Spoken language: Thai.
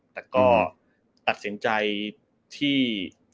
แต่ก็ตัดสินใจที่